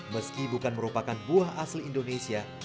meski bukan merupakan buah asli indonesia